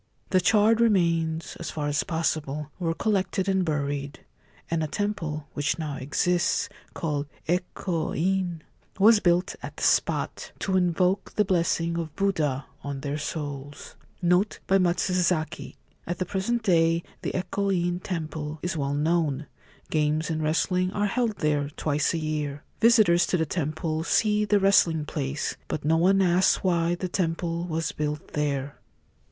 The charred remains (as far as possible) were collected and buried, and a temple (which now exists), called 4 Eko In,' was built at the spot, to invoke the blessing of Buddha on their souls. NOTE BY MATSUZAKI. — At the present day the Eko In Temple is well known. Games and wrestling are held there twice a year. Visitors to the temple see the wrestling place ; but no one asks why the temple was built there.